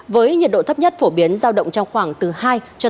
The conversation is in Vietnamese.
với nhiệt độ thấp nhất phổ biến giao động trong khoảng từ hai cho tới năm độ c